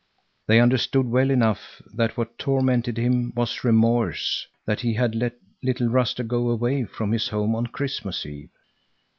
They understood well enough that what tormented him was remorse that he had let little Ruster go away from his home on Christmas Eve.